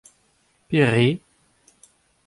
Pere ?